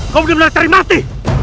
kau bisa mencari mati